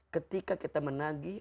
ketika kita menagih